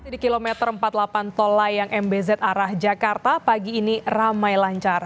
di kilometer empat puluh delapan tol layang mbz arah jakarta pagi ini ramai lancar